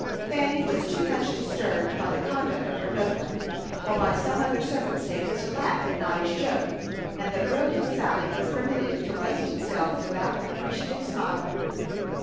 Fanny was too much disturbed by the conduct of her boatman, or by some other circumstance, to laugh at Noddy's joke; and the brilliant sally was permitted to waste itself without an appreciative smile.